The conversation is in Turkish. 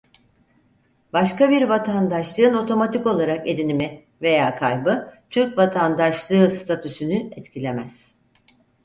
Başka bir vatandaşlığın otomatik olarak edinimi veya kaybı Türk vatandaşlığı statüsünü etkilemez.